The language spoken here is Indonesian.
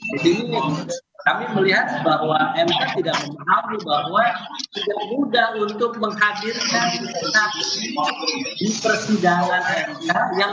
jadi ini kami melihat bahwa mk tidak memahami bahwa tidak mudah untuk menghadirkan